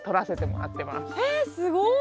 へえすごい。